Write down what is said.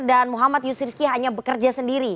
dan muhammad yusrisky hanya bekerja sendiri